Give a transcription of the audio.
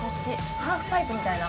ハーフパイプみたいな。